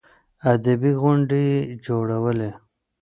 ادبي غونډې يې جوړولې.